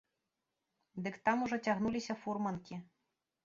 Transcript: Дык там ужо цягнуліся фурманкі.